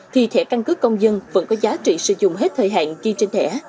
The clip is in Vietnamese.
thì thẻ căn cước công dân vẫn có giá trị sử dụng hết thời hạn ghi trên thẻ